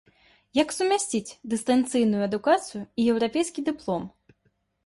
Як сумясціць дыстанцыйную адукацыю і еўрапейскі дыплом?